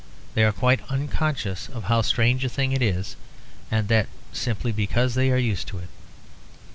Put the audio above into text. They are quite unconscious of how strange a thing it is; and that simply because they are used to it.